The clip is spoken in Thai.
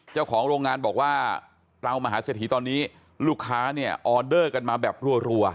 เจ้าของโรงงานบอกว่าเตามหาเศรษฐีตอนนี้ลูกค้าเนี่ยออเดอร์กันมาแบบรัว